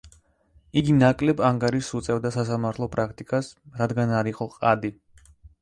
იგი ნაკლებ ანგარიშს უწევდა სასამართლო პრაქტიკას, რადგან არ იყო ყადი.